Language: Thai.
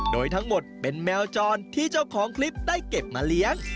โดยทั้งหมดเป็นแมวจรที่เจ้าของคลิปได้เก็บมาเลี้ยง